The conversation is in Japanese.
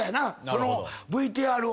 そのＶＴＲを見て。